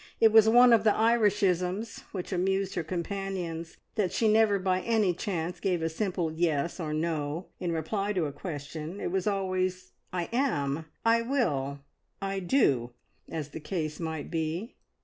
It was one of the Irishisms which amused her companions that she never by any chance gave a simple "Yes" or "No" in reply to a question. It was always "I am!" "I will!" "I do!" as the case might be.